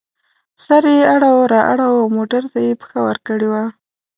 سر یې اړو را اړوو او موټر ته یې پښه ورکړې وه.